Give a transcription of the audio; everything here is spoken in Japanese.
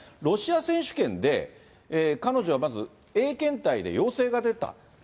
ロシア選手権で、彼女はまず、Ａ検体で陽性が出た。